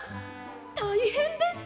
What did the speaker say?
たいへんです！